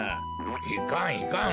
いかんいかん。